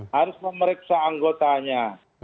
harus memeriksa anggotanya